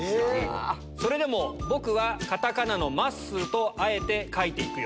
それでも僕はカタカナのマッスーと、あえて書いていくよ。